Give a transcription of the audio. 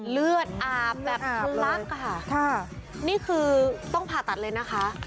เลือดอาบแบบทะลักค่ะนี่คือต้องผ่าตัดเลยนะคะ